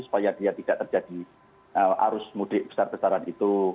supaya dia tidak terjadi arus mudik besar besaran itu